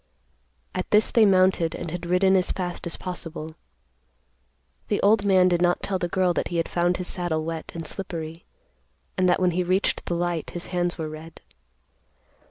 At this they mounted and had ridden as fast as possible. The old man did not tell the girl that he had found his saddle wet and slippery, and that when he reached the light his hands were red.